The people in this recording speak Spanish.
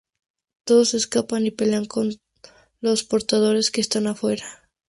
Todos escapan y pelean con los Portadores que están afuera.